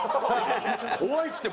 怖いってもう。